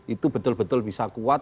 itu betul betul bisa kuat